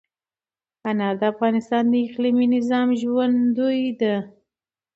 انار د افغانستان د اقلیمي نظام ښکارندوی ده.